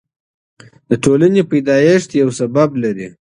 د ټولني پیدایښت یو لامل لري.